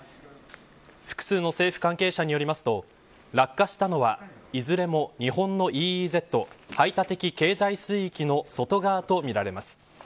複数の政府関係者によりますと落下したのはいずれも日本のＥＥＺ排他的経済水域の外側とみられます。